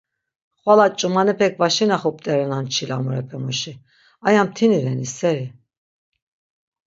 Xvala ç̆umanepek va şinaxupt̆erenan çilamurepe muşi, aya mtini reni seri?